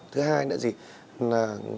thứ hai nữa gì là